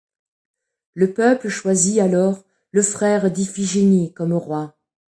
Le peuple choisit alors le frère d'Iphigénie comme roi.